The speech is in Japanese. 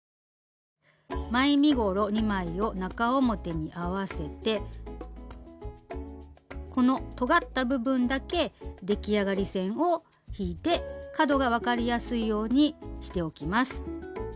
前身ごろ２枚を中表に合わせてこのとがった部分だけ出来上がり線を引いて角が分かりやすいようにしておきます。